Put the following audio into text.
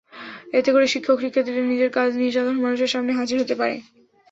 এতে করে শিক্ষক-শিক্ষার্থীরা নিজের কাজ নিয়ে সাধারণ মানুষের সামনে হাজির হতে পারে।